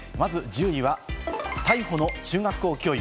まず１０位は逮捕の中学校教諭。